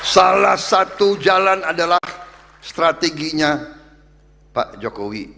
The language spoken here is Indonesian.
salah satu jalan adalah strateginya pak jokowi